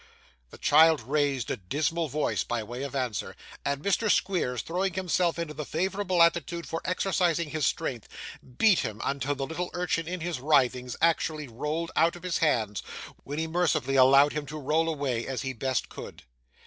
The child raised a dismal cry, by way of answer, and Mr. Squeers, throwing himself into the most favourable attitude for exercising his strength, beat him until the little urchin in his writhings actually rolled out of his hands, when he mercifully allowed him to roll away, as he best could.